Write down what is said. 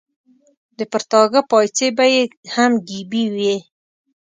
د پرتاګه پایڅې به یې هم ګیبي وې.